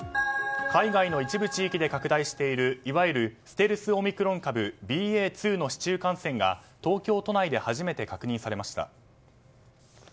海外の一部地域で拡大しているいわゆるステルスオミクロン株ＢＡ．２の市中感染が東京都内で初めて確認されました。